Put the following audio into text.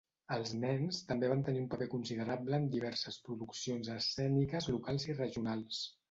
Els nens també van tenir un paper considerable en diverses produccions escèniques locals i regionals.